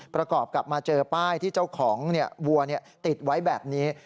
ประกอบกลับมาเจอป้ายที่เจ้าของเนี่ยวัวเนี่ยติดไว้แบบนี้